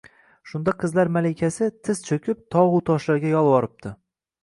Shunda qizlar malikasi tiz choʼkib, togʼu toshlarga yolvoribdi.